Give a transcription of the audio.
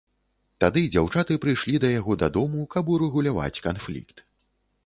Тады дзяўчаты прыйшлі да яго дадому, каб урэгуляваць канфлікт.